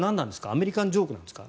アメリカンジョークですか。